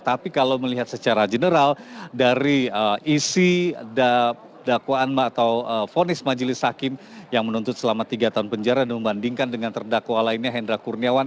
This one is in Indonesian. tapi kalau melihat secara general dari isi dakwaan atau fonis majelis hakim yang menuntut selama tiga tahun penjara dan membandingkan dengan terdakwa lainnya hendra kurniawan